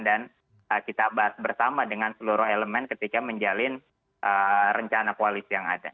dan kita bahas bersama dengan seluruh elemen ketika menjalin rencana koalisi yang ada